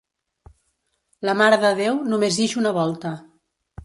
La Mare de Déu només ix una volta.